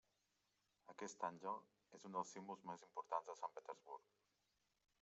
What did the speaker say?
Aquest àngel és un dels símbols més importants de Sant Petersburg.